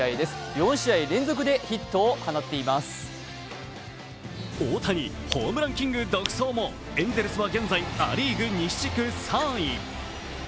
４試合連続でヒットを放っています大谷、ホームランキング独走もエンゼルスは現在、ア・リーグ西地区３位。